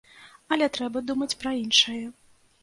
Але трэба думаць пра іншае.